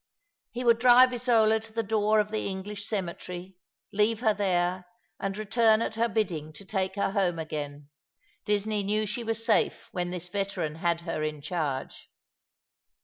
He would drive Isola to the door of the English cemetery, leave her there, and return at her bidding to take her home again. Disney knew she was safe when this veteran had her in charge.